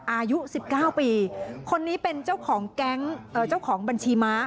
อายุ๑๙ปีคนนี้เป็นเจ้าของแก๊งเจ้าของบัญชีม้า